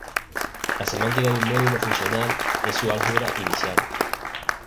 La semántica de un módulo funcional es su álgebra inicial.